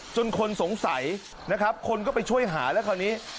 คนสงสัยนะครับคนก็ไปช่วยหาแล้วคราวนี้